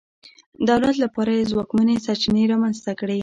دولت لپاره یې ځواکمنې سرچینې رامنځته کړې.